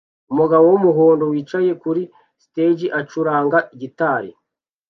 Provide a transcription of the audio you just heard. Umugabo wumuhondo wicaye kuri stage acuranga gitari